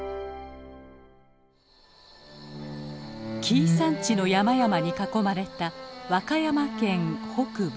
紀伊山地の山々に囲まれた和歌山県北部。